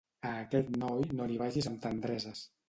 A aquest noi, no li vagis amb tendreses.